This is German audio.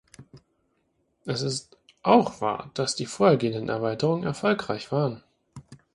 Es ist auch wahr, dass die vorhergehenden Erweiterungen erfolgreich waren.